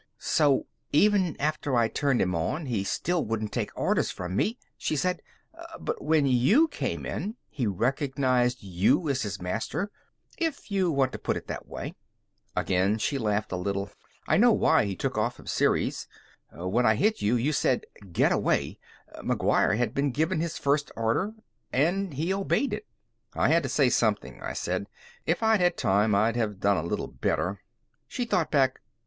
"So, even after I turned him on, he still wouldn't take orders from me," she said. "But when you came in, he recognized you as his master." "If you want to put it that way." Again, she laughed a little. "I know why he took off from Ceres. When I hit you, you said, 'Get away'. McGuire had been given his first order, and he obeyed it."' "I had to say something," I said. "If I'd had time, I'd have done a little better." She thought back.